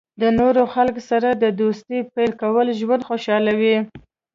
د نوو خلکو سره د دوستۍ پیل کول ژوند خوشحالوي.